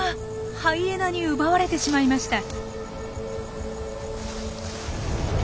ハイエナに奪われてしまいました。